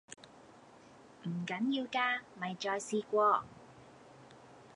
唔緊要㗎，咪再試過